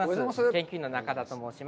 研究員の中田と申します。